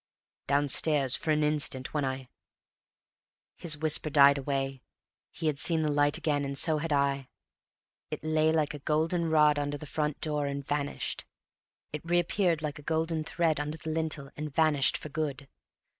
"Downstairs, for an instant, when I " His whisper died away; he had seen the light again; and so had I. It lay like a golden rod under the front door and vanished. It reappeared like a gold thread under the lintel and vanished for good.